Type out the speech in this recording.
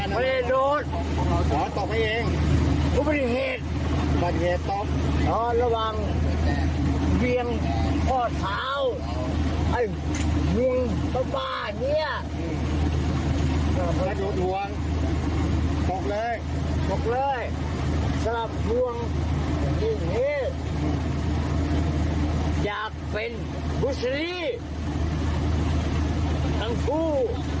บอกเลยบอกเลยสลับห่วงอย่างนี้อยากเป็นบุ๊สลีกังฟู